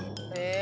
え。